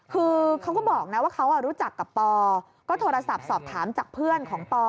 คือเขาก็บอกนะว่าเขารู้จักกับปอก็โทรศัพท์สอบถามจากเพื่อนของปอ